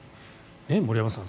森山さん